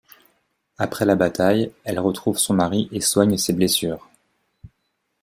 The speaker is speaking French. Après la bataille, elle retrouve son mari et soigne ses blessures.